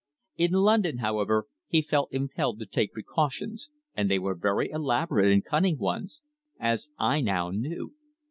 In London, however, he felt impelled to take precautions, and they were very elaborate and cunning ones, as I now knew.